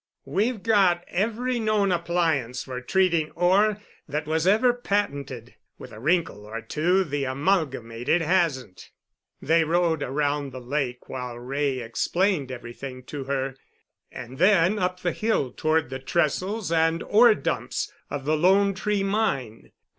We've got every known appliance for treating ore that was ever patented, with a wrinkle or two the Amalgamated hasn't." They rode around the lake while Wray explained everything to her, and then up the hill toward the trestles and ore dumps of the "Lone Tree" mine.